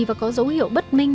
và có dấu hiệu bất minh